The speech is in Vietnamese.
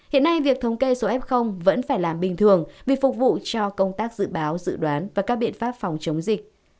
hiện nay việc thống kê số f vẫn phải làm bình thường vì phục vụ cho công tác dự báo dự đoán và các biện pháp phòng chống dịch